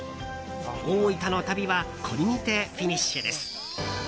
大分の旅はこれにてフィニッシュです。